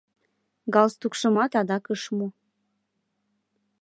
галстукшымат адак ыш му.